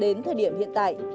đến thời điểm hiện tại